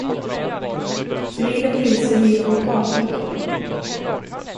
Civila poliser gick på gator och torg.